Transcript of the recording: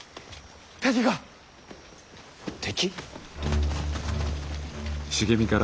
敵が。敵？